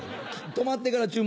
止まってから。